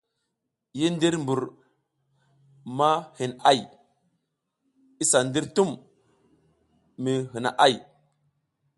Yi ndir bur ma hin ay,i sa ndir tum mi hina ‘ay.